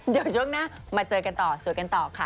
เดี๋ยวช่วงหน้ามาเจอกันต่อสวยกันต่อค่ะ